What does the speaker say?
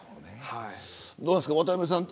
どうですか、渡邊さん